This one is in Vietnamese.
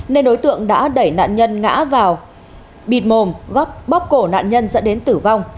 nên đối tượng đã đẩy nạn nhân ngã vào bịt mồm góc bóp cổ nạn nhân dẫn đến tử vong